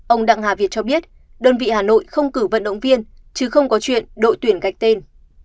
ông đặng hà việt cho biết đơn vị hà nội không cử vận động viên chứ không có chuyện đội tuyển gạch tên